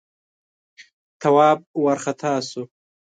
تواب وارخطا شو: